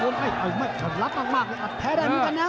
รับมากลับไม่โต